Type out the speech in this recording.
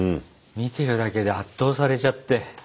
見てるだけで圧倒されちゃって。